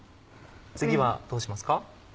次はどうしますか？